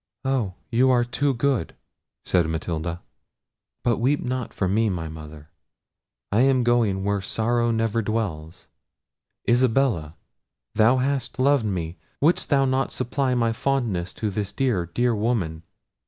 "Oh! you are too good," said Matilda. "But weep not for me, my mother! I am going where sorrow never dwells—Isabella, thou hast loved me; wouldst thou not supply my fondness to this dear, dear woman?